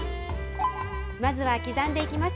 まずは刻んでいきます。